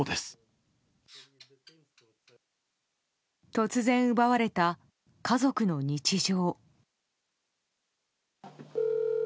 突然奪われた家族の日常。